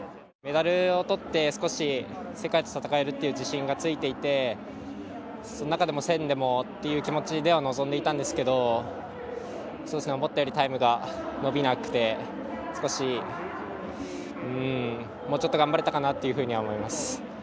メダルをとって少し世界と戦えるという自信がついていて、その中でも１０００ｍでもって気持ちで臨んでいたんですけど思ったよりタイムが伸びなくてもうちょっと頑張れたかなというふうには思います。